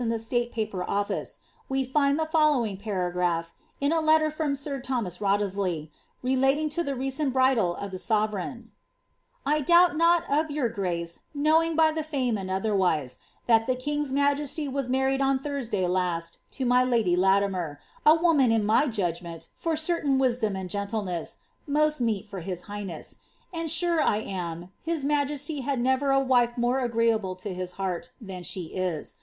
in tlie State Paper Olfice, we find the :*^ fenowing' paragraph, in a letter from sir Thomas Wriothesley, relating i::^? 10^ roceiii bridal of the sovereign :" I doubt not of your grace know *""^ ?S^ ^^^'^'"^*"^ otherwise, that the king^s majesty was married on *. y^ Tonraday luai to my lady Latimer, a woman in my judgment, for certain viMom and gentleness, most meet for his highness ; and sure I am, his ^■ T^^y ^*^ never a wife more agreeable to his heart than slic is.